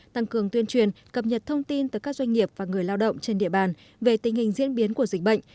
tăng cường tuyên truyền cập nhật thông tin tới các doanh nghiệp và người lao động trên địa bàn về tình hình diễn biến của dịch bệnh